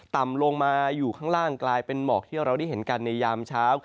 ต่ำลงมาอยู่ข้างล่างกลายเป็นหมอกที่เราได้เห็นกันในยามเช้า